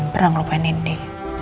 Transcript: pernah ngelupain indi